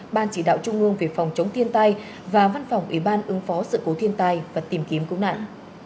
ban chỉ đạo trung ương về phòng chống thiên tai và văn phòng ủy ban ứng phó sự cố thiên tai và tìm kiếm cứu nạn